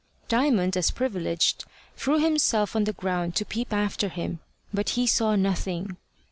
Diamond, as privileged, threw himself on the ground to peep after him, but he saw nothing.